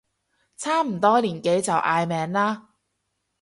差唔多年紀就嗌名啦